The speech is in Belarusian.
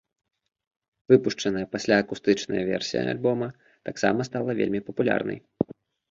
Выпушчаная пасля акустычная версія альбома таксама стала вельмі папулярнай.